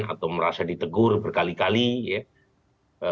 atau merasa ditegur berkali kali ya